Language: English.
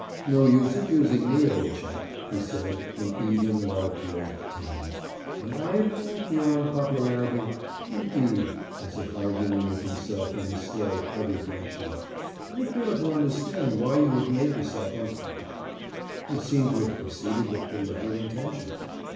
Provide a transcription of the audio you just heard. "No use abusing me, old chap," he said in even well poised tones. "Am I at fault for your unpopularity? Indeed"—as if arguing with himself in his slow heavy fashion—"I fail to understand why you have made yourself unpopular. You seem to have proceeded with deliberate intention.